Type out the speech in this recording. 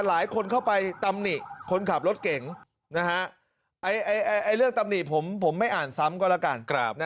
หลายคนเข้าไปตำหนิคนขับรถเก่งเรื่องตำหนิผมไม่อ่านซ้ำก็แล้วกัน